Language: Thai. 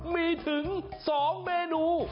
มีถึง๒เมนู